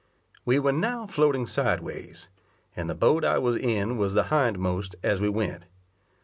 We were now floating sideways, and the boat I was in was the hindmost as we went.